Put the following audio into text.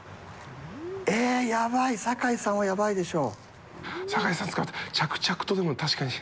えー、やばい酒井さんはやばいでしょ。